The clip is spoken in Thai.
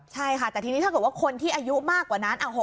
ใช่ค่ะแต่ทีนี้ถ้าเกิดว่าคนที่อายุมากกว่านั้น